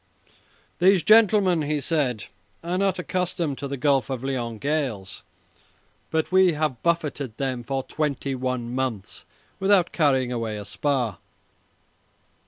"These gentlemen," he said, "are not accustomed to the Gulf of Lyons gales, but we have buffeted them for twenty one months without carrying away a spar."